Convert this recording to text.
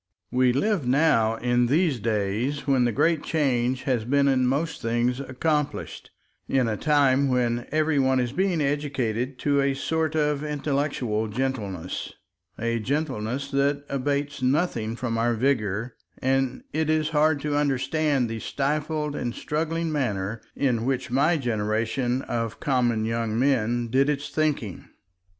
We live now in these days, when the Great Change has been in most things accomplished, in a time when every one is being educated to a sort of intellectual gentleness, a gentleness that abates nothing from our vigor, and it is hard to understand the stifled and struggling manner in which my generation of common young men did its thinking.